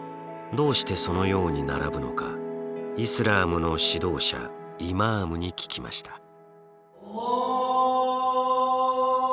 どうしてそのように並ぶのかイスラームの指導者イマームに聞きました。